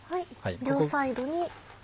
両サイドに。